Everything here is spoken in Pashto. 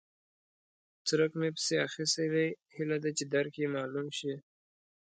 څرک مې پسې اخيستی دی؛ هيله ده چې درک يې مالوم شي.